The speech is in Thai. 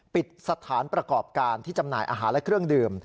ปิดสถานประกอบการที่จำหน่ายอาหารและเครื่องดื่ม